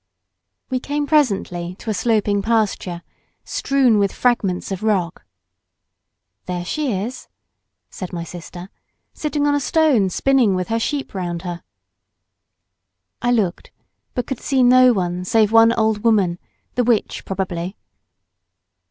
We came presently to a sloping pasture, strewn with fragments of rock. "There she is," said my sister, "sitting on a stone spinning with her sheep round her." I looked; but could see no one save one old woman, the witch probably.